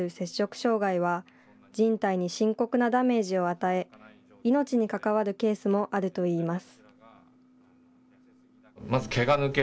障害は、人体に深刻なダメージを与え、命に関わるケースもあるといいます。